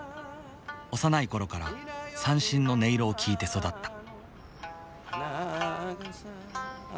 幼い頃から三線の音色を聴いて育った。